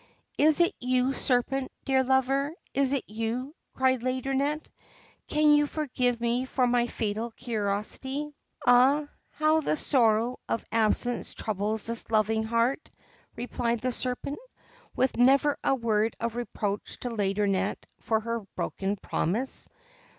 ' Is it you, Serpent, dear lover ; is it you ?' cried Laideronnette. 'Can you forgive me for my fatal curiosity?' ' Ah 1 how the sorrow of absence troubles this loving heart!' replied the Serpent, with never a word of reproach to Laideronnette for her broken promise.